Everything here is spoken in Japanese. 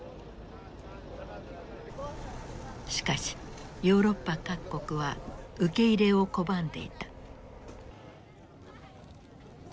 しかしヨーロッパ各国は受け入れを拒んでいた。